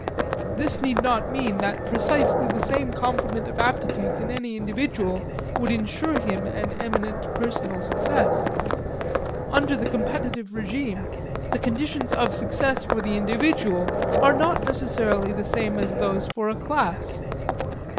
This need not mean that precisely the same complement of aptitudes in any individual would insure him an eminent personal success. Under the competitive regime, the conditions of success for the individual are not necessarily the same as those for a class.